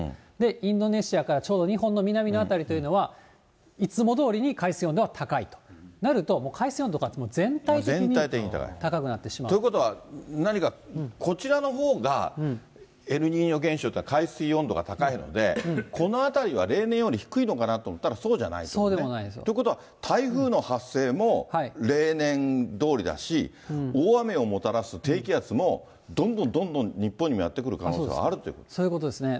インドネシアからちょうど日本の南の辺りというのは、いつもどおりに海水温度は高いとなると、海水温度が全体的に高くなってしまということは、何かこちらのほうが、エルニーニョ現象というか、海水温度が高いので、この辺りは例年より低いのかなと思ったら、そうじゃないと。ということは、台風の発生も例年どおりだし、大雨をもたらす低気圧もどんどんどんどん日本にもやってくる可能そういうことですね。